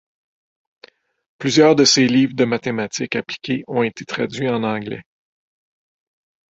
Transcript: Plusieurs de ses livres de mathématiques appliquées ont été traduits en anglais.